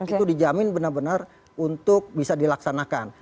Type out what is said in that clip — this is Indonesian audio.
itu dijamin benar benar untuk bisa dilaksanakan